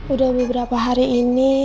udah beberapa hari ini